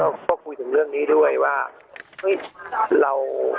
ค่ะก็คุยถึงเรื่องนี้ด้วยว่า